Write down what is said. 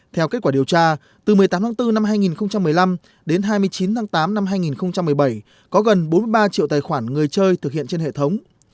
theo kết quả điều tra từ một mươi tám tháng bốn năm hai nghìn một mươi năm đến hai mươi chín tháng tám năm hai nghìn một mươi bảy có gần bốn mươi ba triệu tài khoản người chơi thực hiện trên hệ thống